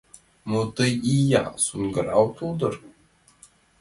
Мо тый, ия-я, соҥгыра отыл дыр?